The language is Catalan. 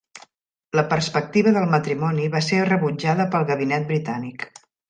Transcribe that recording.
La perspectiva del matrimoni va ser rebutjada pel Gabinet britànic.